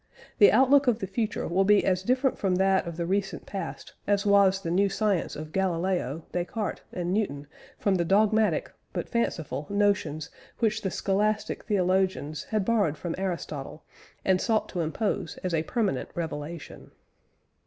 The outlook of the future will be as different from that of the recent past as was the new science of Galileo, Descartes, and Newton from the dogmatic but fanciful notions which the Scholastic theologians had borrowed from Aristotle, and sought to impose as a permanent revelation.